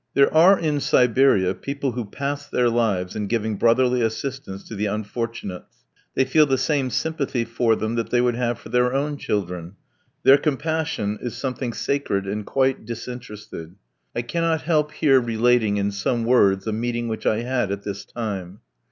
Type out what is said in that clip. There are in Siberia people who pass their lives in giving brotherly assistance to the "unfortunates." They feel the same sympathy for them that they would have for their own children. Their compassion is something sacred and quite disinterested. I cannot help here relating in some words a meeting which I had at this time.